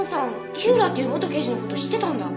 火浦っていう元刑事の事知ってたんだ。